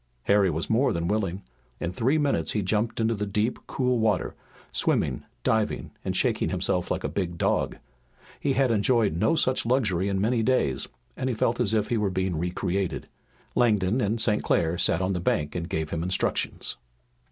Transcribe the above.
Harry was more than willing. In three minutes he jumped into the deep, cool water, swimming, diving, and shaking himself like a big dog. He had enjoyed no such luxury in many days, and he felt as if he were being re created. Langdon and St. Clair sat on the bank and gave him instructions.